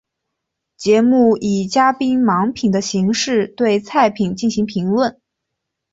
节目以嘉宾盲品的形式对菜品进行评论。